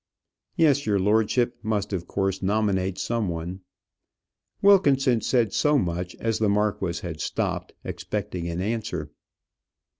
"Yes; your lordship must of course nominate some one." Wilkinson said so much, as the marquis had stopped, expecting an answer.